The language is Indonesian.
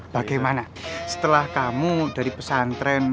bagaimana setelah kamu dari pesantren